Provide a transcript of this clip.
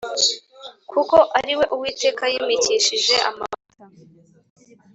kuko ari we Uwiteka yimikishije amavuta.